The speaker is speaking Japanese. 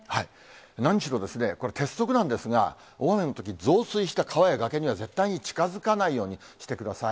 何しろこれ、鉄則なんですが、大雨のとき、増水した川や崖には絶対に近づかないようにしてください。